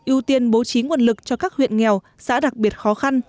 ưu tiên bố trí nguồn lực cho các huyện nghèo xã đặc biệt khó khăn